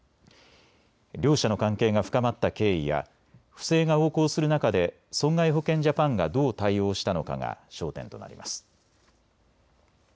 両社の関係が深まった経緯や不正が横行する中で損害保険ジャパンがどう対応したのかが焦点となります。